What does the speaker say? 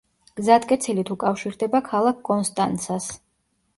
გზატკეცილით უკავშირდება ქალაქ კონსტანცას.